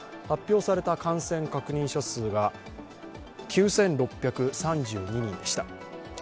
発表された感染確認者数が９６３２人でした。